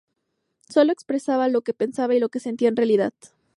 Sólo expresaba lo que pensaba y lo que sentía de la realidad.